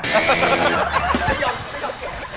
ไม่ยอมไม่ยอมแก่